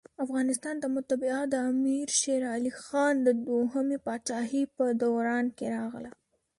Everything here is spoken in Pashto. افغانستان ته مطبعه دامیر شېرعلي خان د دوهمي پاچاهۍ په دوران کي راغله.